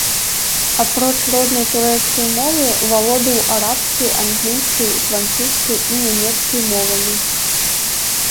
Апроч роднай турэцкай мовы, валодаў арабскай, англійскай, французскай і нямецкай мовамі.